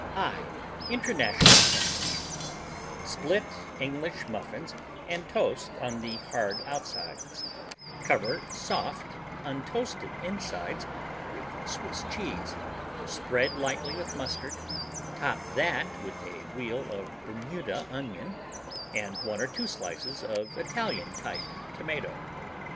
I International Sandwich Split English muffins and toast on the hard outsides, cover soft, untoasted insides with Swiss cheese, spread lightly with mustard, top that with a wheel of Bermuda onion and 1 or 2 slices of Italian type tomato.